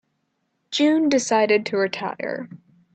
June decided to retire.